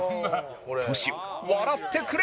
トシよ笑ってくれ！